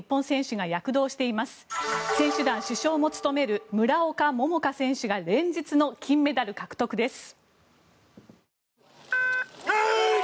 選手団主将も務める村岡桃佳選手が２つ目の金メダル獲得です。